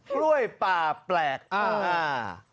กล้วยป่าแปลกอ่า